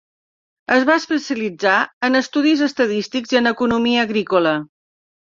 Es va especialitzar en estudis estadístics i en economia agrícola.